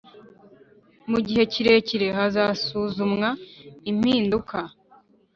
Mu gihe kirekire hazasuzumwa impinduka